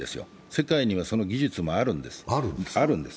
世界にはその技術もあるんです。